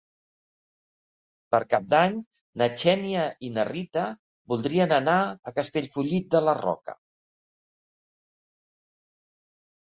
Per Cap d'Any na Xènia i na Rita voldrien anar a Castellfollit de la Roca.